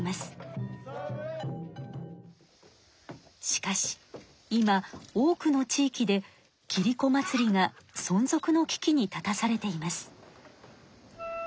しかし今多くの地域でキリコ祭りがそん続の危機に立たされています。